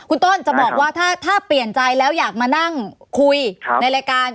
คุณต้นจะบอกว่าถ้าเปลี่ยนใจแล้วอยากมานั่งคุยในรายการ